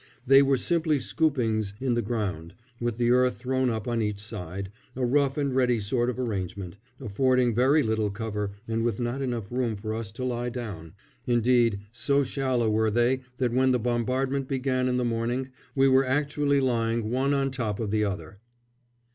They were simply scoopings in the ground, with the earth thrown up on each side, a rough and ready sort of arrangement, affording very little cover and with not enough room for us to lie down indeed, so shallow were they that when the bombardment began in the morning we were actually lying one on top of the other.